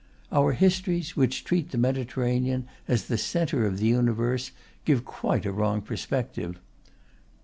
Our histories, which treat the Mediterranean as the centre of the universe, give quite a wrong perspective.